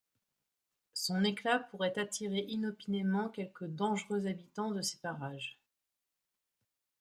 Son éclat pourrait attirer inopinément quelque dangereux habitant de ces parages.